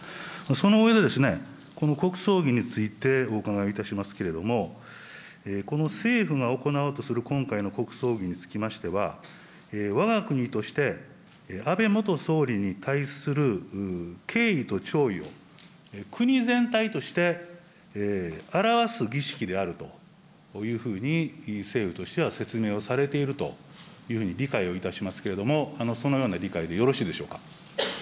その上でですね、この国葬儀についてお伺いいたしますけれども、この政府が行おうとする今回の国葬儀につきましては、わが国として、安倍元総理に対する敬意と弔意を、国全体として表す儀式であるというふうに、政府としては説明をされているというふうに理解をいたしますけれども、そのような理解でよろしいでしょうか。